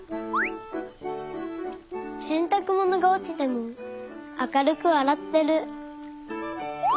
せんたくものがおちてもあかるくわらってる。